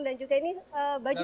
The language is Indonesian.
dan juga ini baju khas